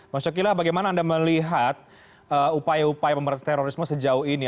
bang syawky lah bagaimana anda melihat upaya upaya pemberantasan terorisme sejauh ini